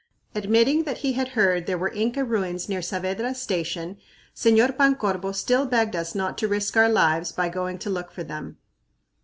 Admitting that he had heard there were Inca ruins near Saavedra's station, Señor Pancorbo still begged us not to risk our lives by going to look for them.